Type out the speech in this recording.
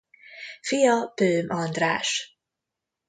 Fia Böhm András.